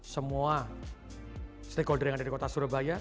semua stakeholder yang ada di kota surabaya